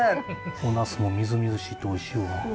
おナスもみずみずしくておいしいわ。